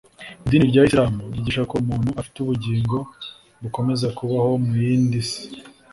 idini rya isilamu ryigisha ko umuntu afite ubugingo bukomeza kubaho mu yindi si